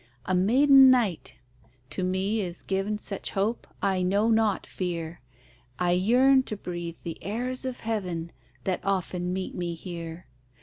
A maiden knight to me is given Such hope, I know not fear, I yearn to breathe the airs of heaven That often meet me here.